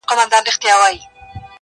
پښتنو ته هم راغلی جادوګر وو،